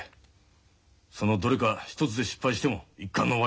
そのどれか一つで失敗しても一巻の終わりなんだ。